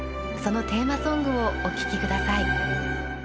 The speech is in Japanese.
そのテーマソングをおききください。